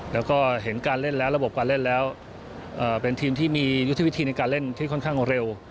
แล้วก็เห็นการเล่นแล้วระบบการเล่นแล้วเป็นทีมที่มียุทธวิธีในการเล่นที่ค่อนข้างเร็ว